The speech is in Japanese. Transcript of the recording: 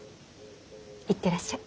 行ってらっしゃい。